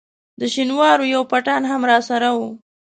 د شینوارو یو پټان هم راسره وو.